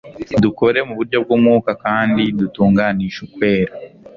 dukore mu buryo bw'umwuka kandi dutunganishe ukwera